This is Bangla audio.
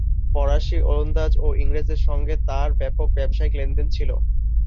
ফরাসি, ওলন্দাজ ও ইংরেজদের সঙ্গে তাঁর ব্যাপক ব্যবসায়িক লেনদেন ছিল।